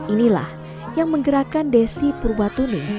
inilah yang menggerakkan desi purwatuni